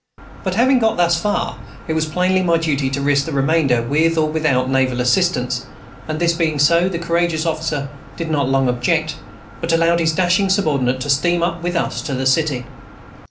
But, having got thus far, it was plainly my duty to risk the remainder with or without naval assistance; and this being so, the courageous officer did not long object, but allowed his dashing subordinate to steam up with us to the city.